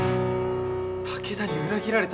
武田に裏切られた